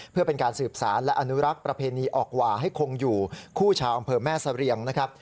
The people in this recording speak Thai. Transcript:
เพื่อเป็นการสืบสารและอนุรักษ์ประเพณีออกหว่าให้คงอยู่คู่ชาวอำเภอแม่เสรียงนะครับ